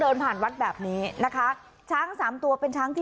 เอ่อหลวงพ่อ